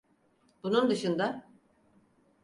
Bunun dışında.